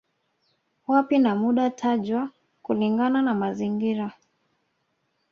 Wapi na muda tajwa kulingana na mazingira